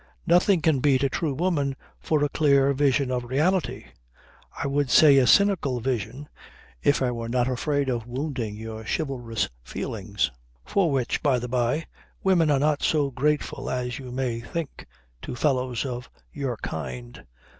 Nothing can beat a true woman for a clear vision of reality; I would say a cynical vision if I were not afraid of wounding your chivalrous feelings for which, by the by, women are not so grateful as you may think, to fellows of your kind